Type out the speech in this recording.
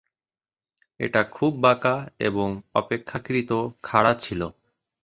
এটা খুব বাঁকা এবং অপেক্ষাকৃত খাড়া ছিল।